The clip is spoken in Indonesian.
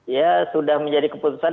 ya sudah menjadi keputusan